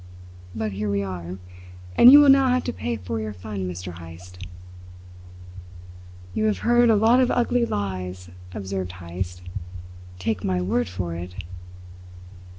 But here we are, and you will now have to pay for your fun, Mr. Heyst." "You have heard a lot of ugly lies," observed Heyst. "Take my word for it!"